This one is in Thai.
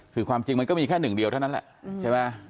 คือความจริงมันก็มีแค่หนึ่งเดียวเท่านั้นแหละใช่ไหม